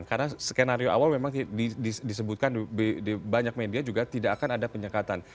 jadi dari skenario awal memang disebutkan di banyak media juga tidak akan ada penyekatan